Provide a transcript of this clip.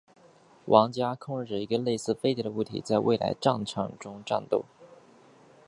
玩家控制着一个类似飞碟的物体在一个未来战场中战斗。